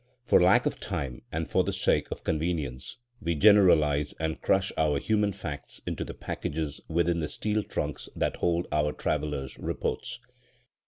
For lack of time and for the sake of convenience we generalise and crush our human facts into the packages within the steel trunks that hold our travellers' reports.